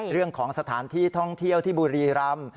เรื่องของสถานที่ท่องเที่ยวที่บุรีรำ